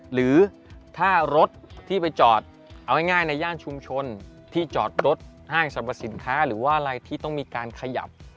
หรือถ้ารถที่ไปจอดเอาง่ายในย่านชุมชนที่จอดรถห้างสรรพสินค้าหรือว่าอะไรที่ต้องมีการขยับ